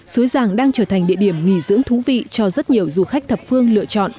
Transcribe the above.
suối giàng đang trở thành địa điểm nghỉ dưỡng thú vị cho rất nhiều du khách thập phương lựa chọn